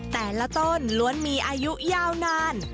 แต่ละต้นล้วนมีอายุยาวนาน